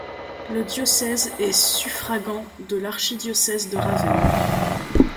Le diocèse est suffragant de l'archidiocèse de Ravenne.